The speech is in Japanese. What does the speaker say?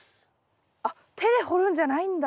あっ手で掘るんじゃないんだ。